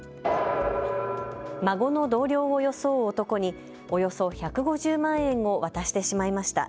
孫の同僚を装う男におよそ１５０万円を渡してしまいました。